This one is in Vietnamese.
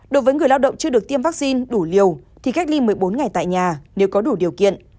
đối với người lao động chưa được tiêm vaccine đủ liều thì cách ly một mươi bốn ngày tại nhà nếu có đủ điều kiện